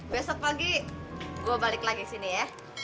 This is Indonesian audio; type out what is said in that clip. besok pagi gue balik lagi sini ya